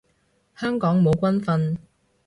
香港冇軍訓